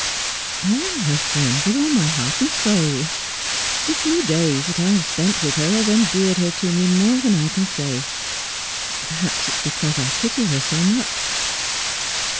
' I am her friend with all my heart and soul. The few days that I have spent with her have endeared ber to me more than I can say. Perhaps it is because I pity her so much.'